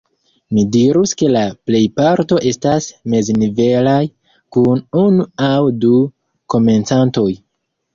Mi dirus ke la plejparto estas meznivelaj, kun unu aŭ du komencantoj.